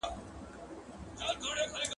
تور یې خپور کړ په ګوښه کي غلی غلی !.